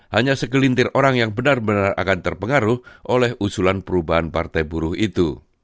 hanya segelintir orang yang benar benar akan terpengaruh oleh usulan perubahan partai buruh itu